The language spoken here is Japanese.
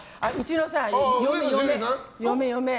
嫁、嫁！